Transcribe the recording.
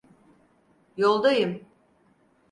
Yoldayım.